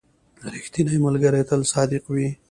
• ریښتینی ملګری تل صادق وي.